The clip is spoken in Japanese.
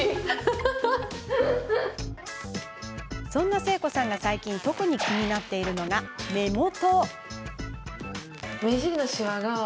そんな誠子さんが、最近特に気になっているのが目元。